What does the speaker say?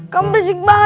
kamu bersikap bangga